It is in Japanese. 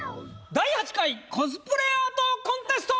第８回コスプレアートコンテスト！